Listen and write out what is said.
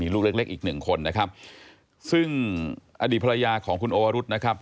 ลูกเล็กเล็กอีกหนึ่งคนนะครับซึ่งอดีตภรรยาของคุณโอวรุษนะครับ